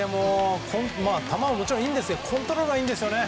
球ももちろんいいんですけどコントロールもいいんですよね。